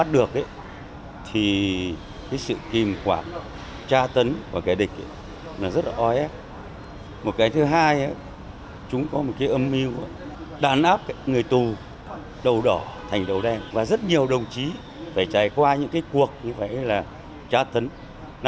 đầu đỏ thành đầu đen và rất nhiều đồng chí phải trải qua những cuộc như vậy là trá thấn